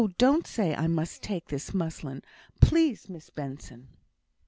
don't say I must take this muslin, please, Miss Benson!"